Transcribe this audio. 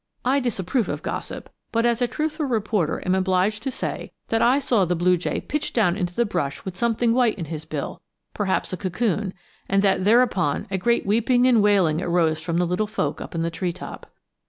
I disapprove of gossip, but as a truthful reporter am obliged to say that I saw the blue jay pitch down into the brush with something white in his bill perhaps a cocoon and that thereupon a great weeping and wailing arose from the little folk up in the treetop.